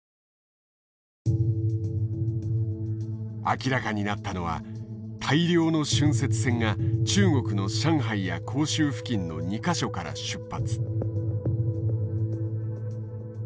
明らかになったのは大量の浚渫船が中国の上海や広州付近の２か所から出発。